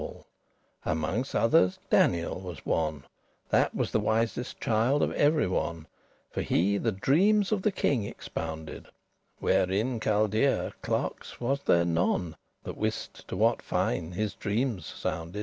* *slave Amonges others Daniel was one, That was the wisest child of every one; For he the dreames of the king expounded, Where in Chaldaea clerkes was there none That wiste to what fine* his dreames sounded.